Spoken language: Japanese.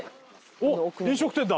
おっ飲食店だ！